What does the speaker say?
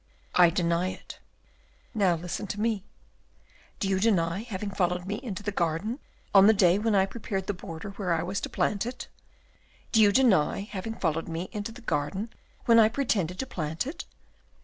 "I deny it." "Now listen to me. Do you deny having followed me into the garden, on the day when I prepared the border where I was to plant it? Do you deny having followed me into the garden when I pretended to plant it?